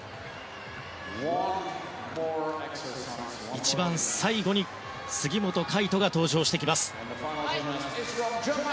一番最後に杉本海誉斗が登場してきます。